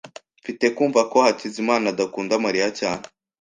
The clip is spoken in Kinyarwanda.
Mfite kumva ko Hakizimana adakunda Mariya cyane.